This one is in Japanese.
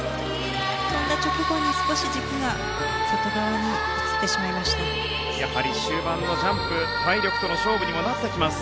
跳んだ直後に少し軸が外側に移ってしまいました。